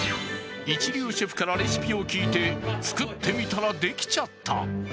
一流シェフからレシピを聞いて作ってみたらできちゃった。